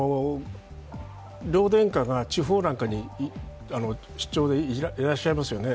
両殿下が地方なんかに出張でいらっしゃいますよね。